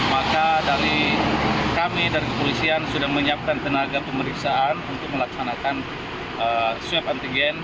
maka dari kami dari kepolisian sudah menyiapkan tenaga pemeriksaan untuk melaksanakan swab antigen